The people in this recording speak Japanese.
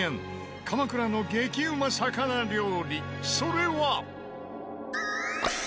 鎌倉の激うま魚料理それは。